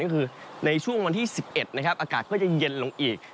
ก็คือในช่วงวันที่๑๑นะครับอากาศก็จะเย็นลงอีก